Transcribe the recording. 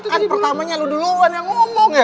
kan pertamanya lu duluan yang ngomong ya